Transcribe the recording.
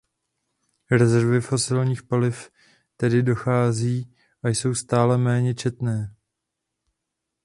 Rezervy fosilních paliv tedy docházejí a jsou stále méně časté.